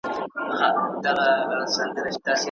د خوښۍ لامل کېدل د ماشومانو د پلار هدف دی.